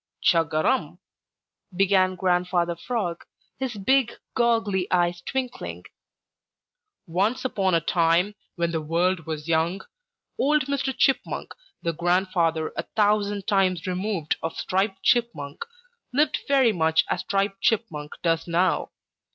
"Chug a rum!" began Grandfather Frog, his big, goggly eyes twinkling. "Once upon a time, when the world was young, old Mr. Chipmunk, the grandfather a thousand times removed of Striped Chipmunk, lived very much as Striped Chipmunk does now.